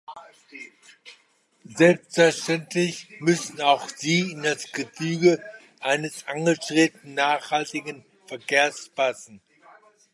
Selbstverständlich müssen auch sie in das Gefüge eines angestrebten nachhaltigen Verkehrs passen.